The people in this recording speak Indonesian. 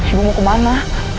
ibu mau ke mana